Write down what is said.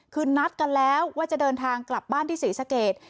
คือนัดกันแล้วว่าจะเดินทางกลับบ้านที่ศรีสเกต